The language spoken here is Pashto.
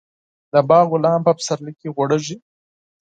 د باغ ګلان په پسرلي کې غوړېږي.